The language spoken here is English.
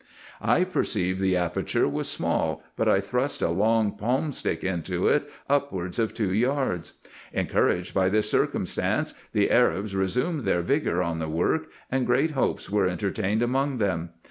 I perceived the aperture was small, but I thrust a long palm stick into it upwards of two yards. Encouraged by this circumstance, the Arabs resumed their vigour on the work, and great hopes were entertained among them.